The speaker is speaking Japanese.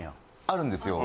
あるんですよ。